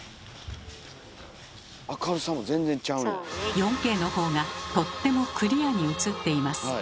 ４Ｋのほうがとってもクリアに映っています。